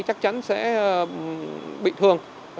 chắc chắn sẽ bị thương